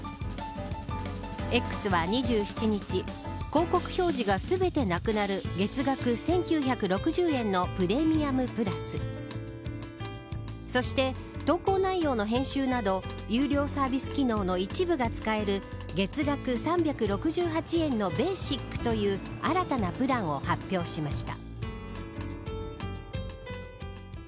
Ｘは２７日広告表示が全てなくなる月額１９６０円のプレミアムプラスそして投稿内容の編集など有料サービス機能の一部が使える月額３６８円のベーシックという新たなプランを発表しました。